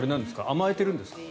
甘えているんですか？